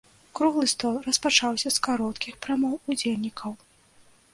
Круглы стол распачаўся з кароткіх прамоў удзельнікаў.